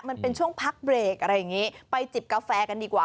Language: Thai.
มันเป็นช่วงพักเบรกอะไรอย่างนี้ไปจิบกาแฟกันดีกว่า